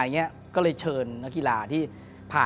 แล้วเขาก็เอามาเขาก็บรรจุโรงบรรจุเหรียญอะไรเข้ามา